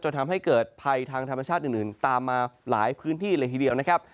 ทำให้เกิดภัยทางธรรมชาติอื่นตามมาหลายพื้นที่เลยทีเดียวนะครับ